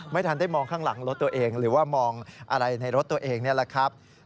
ไม่ทันได้มองข้างหลังรถตัวเองหรือว่ามองอะไรในรถตัวเองนี่แหละครับ